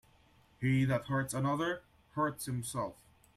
He that hurts another, hurts himself.